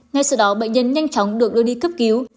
ngay sau đó bệnh nhân nhanh chóng được đưa đi cấp cứu